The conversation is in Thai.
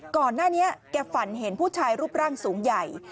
ก่อนหน้านี้แกฝันเห็นผู้ชายรูปร่างสูงใหญ่